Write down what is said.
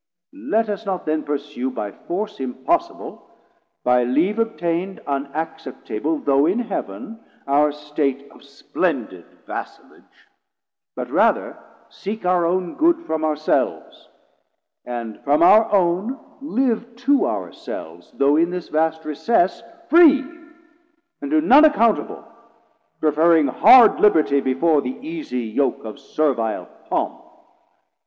Let us not then pursue By force impossible, by leave obtain'd 250 Unacceptable, though in Heav'n, our state Of splendid vassalage, but rather seek Our own good from our selves, and from our own Live to our selves, though in this vast recess, Free, and to none accountable, preferring Hard liberty before the easie yoke Of servile Pomp.